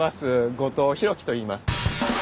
後藤宏樹といいます。